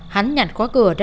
hắn nhặt khóa cửa ra